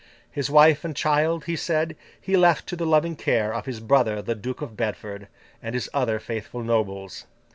His wife and child, he said, he left to the loving care of his brother the Duke of Bedford, and his other faithful nobles.